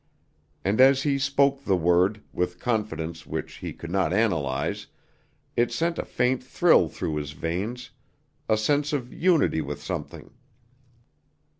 And as he spoke the word, with confidence which he could not analyze, it sent a faint thrill through his veins, a sense of unity with something.